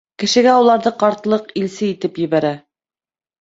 - Кешегә уларҙы ҡартлыҡ илсе итеп ебәрә.